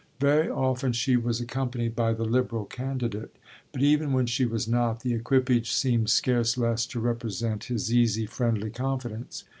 Very often she was accompanied by the Liberal candidate, but even when she was not the equipage seemed scarce less to represent his easy, friendly confidence.